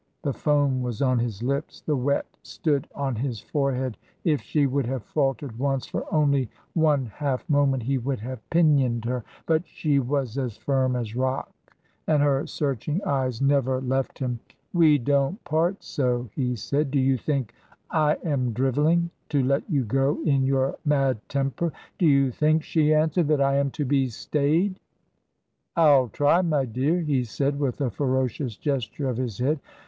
The foam was on his lips ; the wet stood on his forehead. If she would have faltered once, for only one half moment, he would have pinioned her; but she was as firm as rock, and her searching eyes never 142 Digitized by VjOOQIC HEROINES OF DICKENS^S MIDDLE PERIOD left him. 'We don't part so/ he said. 'Do you think I am drivelling, to let you go in your mad temper?" ' Do you think/ she answered, ' that I am to be stayed?' 'I'll try, my dear,' he said, with a ferocious gesture of his head.